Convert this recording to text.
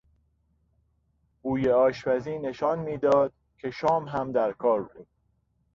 بوی آشپزی نشان میداد که شام هم در کار بود.